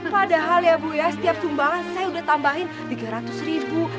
padahal ya bu ya setiap sumbangan saya udah tambahin tiga ratus ribu